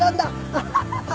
アハハハ！